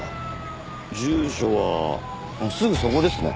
住所はすぐそこですね。